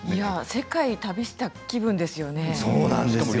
世界を旅した気分ですよね。